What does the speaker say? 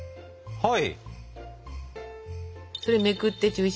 はい。